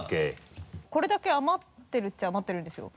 これだけ余ってるっていえば余ってるんですよ。